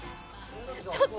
ちょっと。